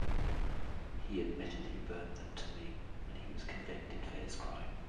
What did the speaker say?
He admitted he burnt them to me, and he was convicted for his crime.